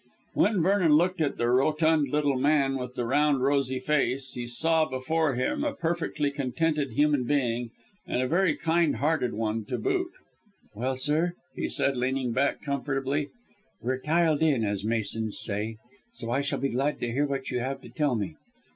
When Vernon looked at the rotund little man with the round rosy face, he saw before him a perfectly contented human being, and a very kind hearted one to boot. "Well, sir," he said, leaning back comfortably, "we're tiled in, as masons say, so I shall be glad to hear what you have to tell me.